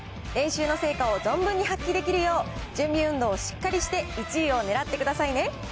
練習の成果を存分に発揮できるよう、準備運動をしっかりして１位を狙ってくださいね。